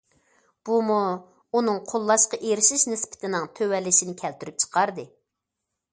بۇمۇ ئۇنىڭ قوللاشقا ئېرىشىش نىسبىتىنىڭ تۆۋەنلىشىنى كەلتۈرۈپ چىقاردى.